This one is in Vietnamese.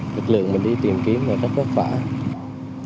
lực lượng mình đi tìm kiếm rất khó khăn